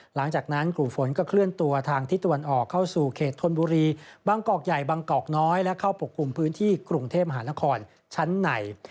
หลังจากนั้นกลุ่มฝนก็เคลื่อนตัวทางทิศตะวันออกเข้าสู่เขตธนบุรีบางกอกใหญ่บางกอกน้อยและเข้าปกคลุมพื้นที่กรุงเทพมหานครชั้นใน